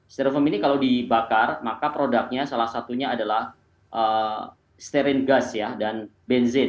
stereofoam ini kalau dibakar maka produknya salah satunya adalah steren gas dan benzin